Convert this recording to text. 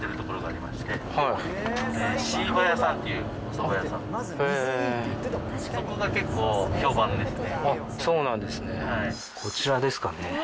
こちらですかね。